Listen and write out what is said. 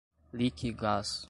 Liquigás